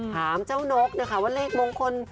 ถามเจ้านกนะคะว่าเลขมงคล